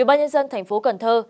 yên bái nhân dân thành phố cần thơ